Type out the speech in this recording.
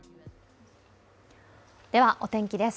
では、お天気です。